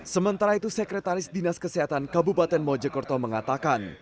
sementara itu sekretaris dinas kesehatan kabupaten mojokerto mengatakan